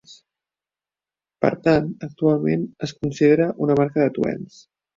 Per tant, actualment es considera una marca de Twents.